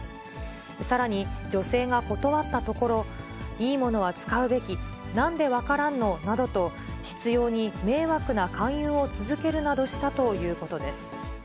さらに、女性が断ったところ、いいものは使うべき、なんで分からんのなどと、執ように迷惑な勧誘を続けるなどしたということです。